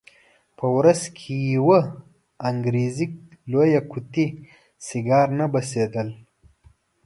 په ورځ کې یوه انګریزي لویه قطي سیګار نه بسېدل.